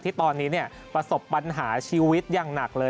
ที่ตอนนี้ประสบปัญหาชีวิตอย่างหนักเลย